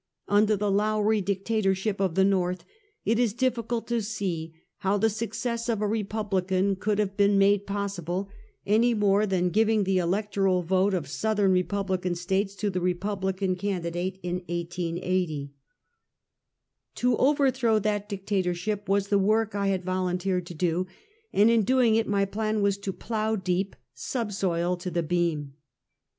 Under the Lowrie dictatorship of the Korth, it is difficult to see how the success of a Republican could have been made possible, any more than giving the electoral vote of Southern Republican States to the Republican can didate in 1880. To overthrow that dictatorship was the work I had volunteered to do, and in doing it, my plan was to " plow deep," subsoil to the beam.